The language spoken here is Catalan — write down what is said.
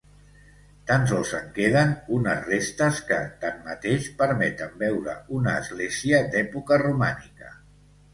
Tan sols en queden unes restes que, tanmateix, permeten veure una església d'època romànica.